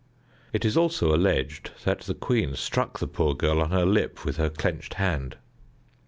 It is also alleged that the queen struck the poor girl on her lip with her clenched hand.